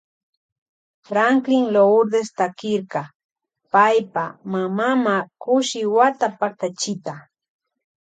Franklin Lourdes takirka paypa mamama Kushi wata paktachita.